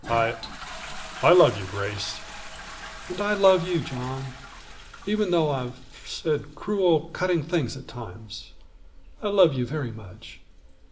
"I I love you, Grace." "And I love you, John even though I've said cruel, cutting things at times. I love you very much."